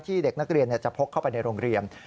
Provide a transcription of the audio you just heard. เด็กนักเรียนจะพกเข้าไปในโรงเรียน